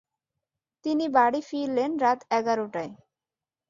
তিনি বাড়ি ফিরলেন রাত এগারটায়।